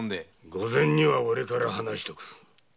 御前にはおれから話しとく。